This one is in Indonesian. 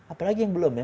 apalagi yang belum ya